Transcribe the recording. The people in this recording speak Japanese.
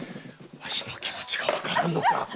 わしの気持ちがわからんのか？